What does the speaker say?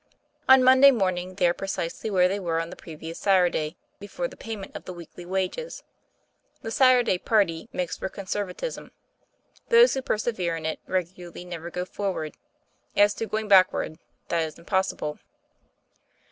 On Monday morning they are precisely where they were on the previous Saturday before the pay ment of the weekly wages. The Saturday "party" makes for Conservatism : those who per severe in it regularly never go forward; as to going backward, that is impossible.